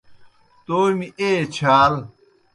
تومیْ ایئے چھال